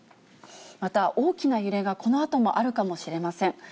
また、大きな揺れがこのあともあるかもしれません。